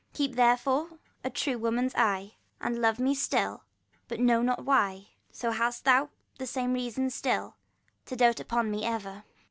Keep therefore a true woman's eye, And love me still, but know not why ; So hast thou the same reason still To doat upon me ever.